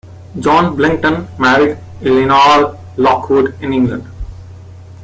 John Billington married Elinor Lockwood in England.